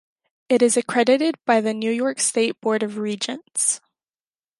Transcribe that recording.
It is accredited by the New York State Board of Regents.